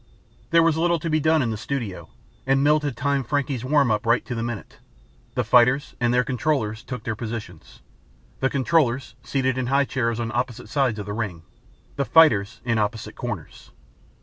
There was little to be done in the studio and Milt had timed Frankie's warm up right to the minute. The fighters and their controllers took their positions: the controllers seated in high chairs on opposite sides of the ring; the fighters in opposite corners.